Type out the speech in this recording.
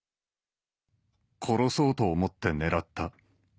殺そうと思って狙った。